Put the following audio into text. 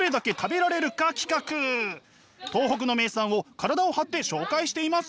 東北の名産を体を張って紹介しています。